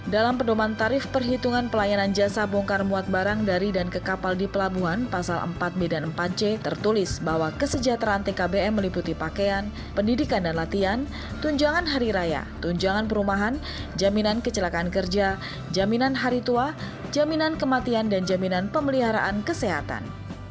dalam pendoman tarif perhitungan pelayanan jasa bongkar muat barang dari dan ke kapal di pelabuhan pasal empat b dan empat c tertulis bahwa kesejahteraan tkbm meliputi pakaian pendidikan dan latihan tunjangan hari raya tunjangan perumahan jaminan kecelakaan kerja jaminan hari tua jaminan kematian dan jaminan pemeliharaan kesehatan